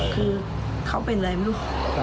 คือเขาเป็นอะไรไม่รู้